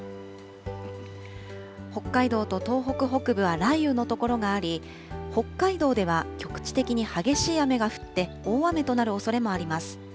北海道と東北北部は雷雨の所があり、北海道では局地的に激しい雨が降って、大雨となるおそれもあります。